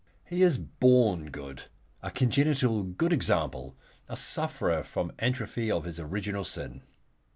He is born good, a congenital good example, a sufferer from atrophy of his original sin.